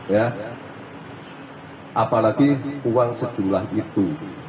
ya apalagi uang sejumlah itu